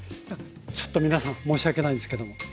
ちょっと皆さん申し訳ないですけども。